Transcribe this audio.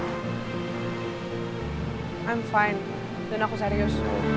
aku baik baik saja dan aku serius